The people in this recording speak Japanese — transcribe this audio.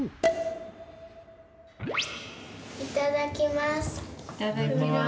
いただきます。